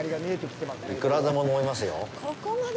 いくらでも飲めますよ。